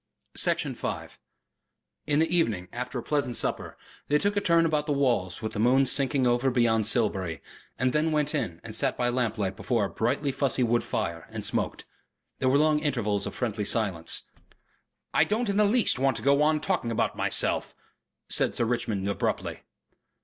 Section 5 In the evening, after a pleasant supper, they took a turn about the walls with the moon sinking over beyond Silbury, and then went in and sat by lamplight before a brightly fussy wood fire and smoked. There were long intervals of friendly silence. "I don't in the least want to go on talking about myself," said Sir Richmond abruptly.